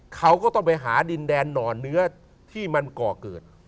เขาก็ต้องไปหาดินแดนหน่อเนื้อที่มันก่อเกิด